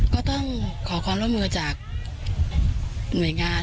ก็ต้องขอความร่วมมือจากหน่วยงาน